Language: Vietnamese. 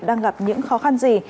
đang gặp những khó khăn gì